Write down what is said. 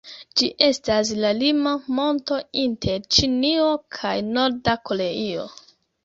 Ĝi estas la lima monto inter Ĉinio kaj Norda Koreio.